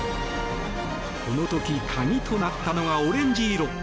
この時、鍵となったのがオレンジ色。